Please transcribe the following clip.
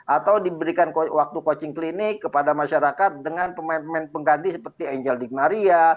atau diberikan waktu coaching klinik kepada masyarakat dengan pemain pemain pengganti seperti angel digmaria